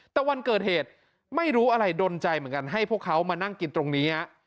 แต่วันเกิดเหตุไม่รู้อะไรดนใจเหมือนกันให้พวกเขามานั่งกินตรงนี้